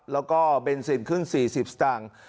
แล้วก็เบนซินขึ้น๔๐สตางค์